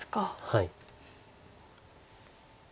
はい。